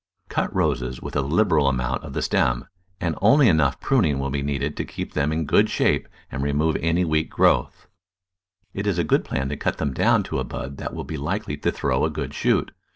Cut Roses with a liberal amount of the stem, and only enough pruning will be needed to keep them in Digitized by Google 176 The Flower Garden [Chapter good shape and remove any weak growth. It is a good plan to cut them down to a bud that will be likely to throw a good shoot.